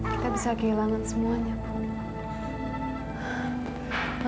kita bisa kehilangan semuanya